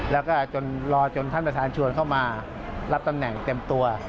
แล้วก็จนรอจนท่านประธานชวนเข้ามารับตำแหน่งเต็มตัว